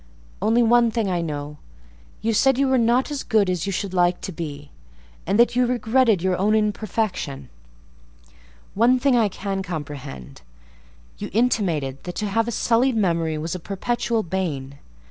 Only one thing, I know: you said you were not as good as you should like to be, and that you regretted your own imperfection;—one thing I can comprehend: you intimated that to have a sullied memory was a perpetual bane.